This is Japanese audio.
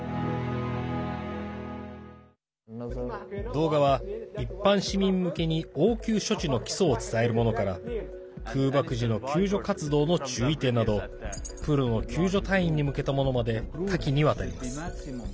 動画は、一般市民向けに応急措置の基礎を伝えるものから空爆時の救助活動の注意点などプロの救助隊員に向けたものまで多岐にわたります。